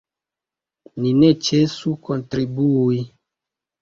Ni ne ĉesu kontribui.